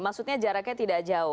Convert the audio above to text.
maksudnya jaraknya tidak jauh